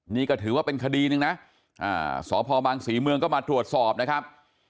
นี่ก็ถือว่าเป็นคดีหนึ่งนะสพบางศรีเมืองก็มาตรวจสอบนะครับ